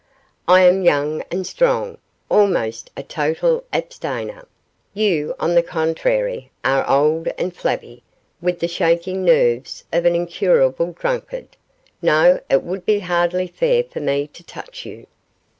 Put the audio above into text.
'I am young and strong, almost a total abstainer; you, on the contrary, are old and flabby, with the shaking nerves of an incurable drunkard. No, it would be hardly fair for me to touch you.